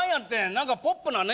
何かポップなね